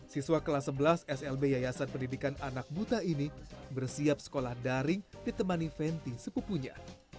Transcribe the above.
siswa kelas sebelas slb yayasan pendidikan anak buta ini bersiap sekolah daring ditemani fenty sepupunya